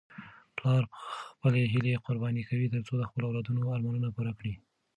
پلار خپلې هیلې قرباني کوي ترڅو د خپلو اولادونو ارمانونه پوره کړي.